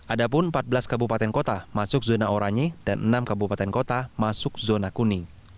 ada pun empat belas kabupaten kota masuk zona oranye dan enam kabupaten kota masuk zona kuning